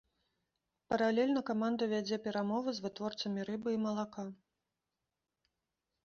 Паралельна каманда вядзе перамовы з вытворцамі рыбы і малака.